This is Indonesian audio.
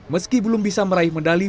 meski belum bisa meraih medali